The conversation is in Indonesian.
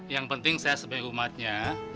yang penting saya sebagai umatnya